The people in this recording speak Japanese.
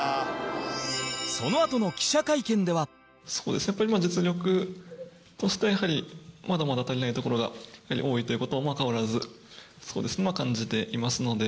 そのあとの記者会見ではそうですね、やっぱり実力として、やはりまだまだ足りないところが多いという事を変わらず、感じていますので。